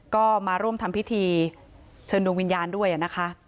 ก็มาร่วมทำพิธีเชิญดวงวิญญาณด้วยนะคะ